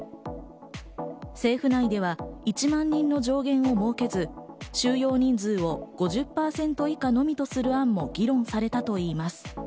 政府内では１万人の上限を設けず、収容人数を５０％以下のみとする案も議論されたといいます。